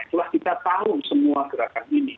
setelah kita tahu semua gerakan ini